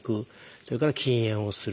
それから禁煙をする。